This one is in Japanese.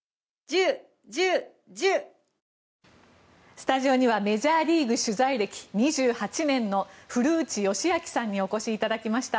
スタジオにはメジャーリーグ取材歴２８年の古内義明さんにお越しいただきました。